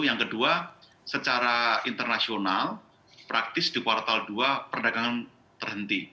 yang kedua secara internasional praktis di kuartal dua perdagangan terhenti